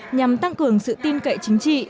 nhằm tăng cường sự tin cậy chính trị